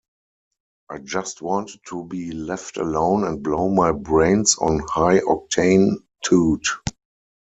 I just wanted to be left alone and blow my brains on high-octane toot.